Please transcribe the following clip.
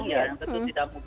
yang ketiga mudah